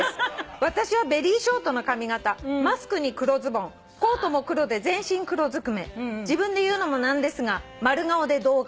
「私はベリーショートの髪形」「マスクに黒ズボンコートも黒で全身黒ずくめ」「自分で言うのもなんですが丸顔で童顔」